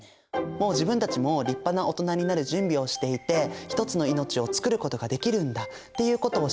もう自分たちも立派な大人になる準備をしていて一つの命を作ることができるんだっていうことをしっかり考えてね